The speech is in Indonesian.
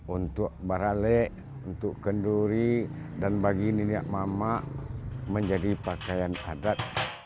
untuk baralek untuk kenduri dan bagi nenek mamak menjadi pakaian adat